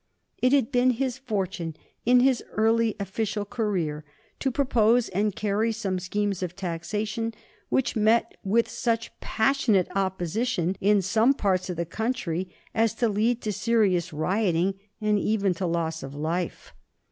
It had been his fortune, in his early official career, to propose and carry some schemes of taxation which met with such passionate opposition in some parts of the country as to lead to serious rioting and even to loss of life.